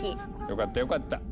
よかったよかった。